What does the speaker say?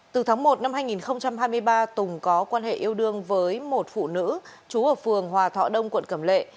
từ tháng một năm hai nghìn hai mươi ba tùng có quan hệ yêu đương với một phụ nữ trú ở phường hòa thọ đông quận cẩm lệ